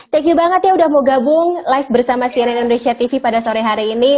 thank you banget ya udah mau gabung live bersama cnn indonesia tv pada sore hari ini